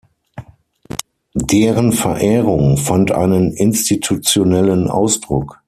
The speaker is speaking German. Deren Verehrung fand einen institutionellen Ausdruck.